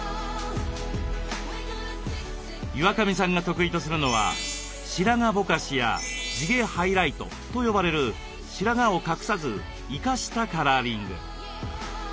岩上さんが得意とするのは「白髪ぼかし」や「地毛ハイライト」と呼ばれる白髪を隠さず「生かした」カラーリング。